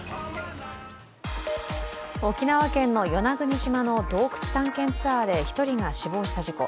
沖縄県の与那国島の洞窟探検ツアーで１人が死亡した事故。